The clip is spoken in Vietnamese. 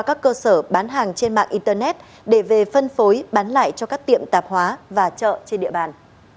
các cơ sở bán hàng trên mạng internet để về phân phối bán lại cho các tiệm tạp hóa và chợ trên địa bàn